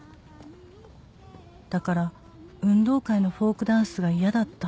「だから運動会のフォークダンスが嫌だった」